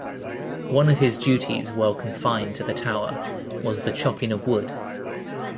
One of his duties while confined to the tower was the chopping of wood.